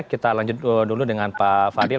kita lanjut dulu dengan pak fadil